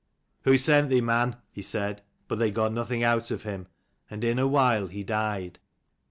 "Who sent thee, man?" he said. But they got nothing out of him, and in a while he died.